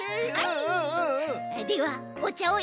はい！